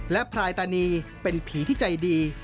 และพลายตานีเป็นผีที่ใจดี